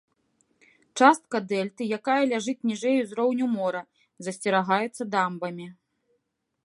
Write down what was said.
Частка дэльты, якая ляжыць ніжэй ўзроўню мора, засцерагаецца дамбамі.